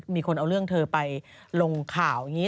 มีคนเอาเรื่องเธอไปลงข่าวอย่างนี้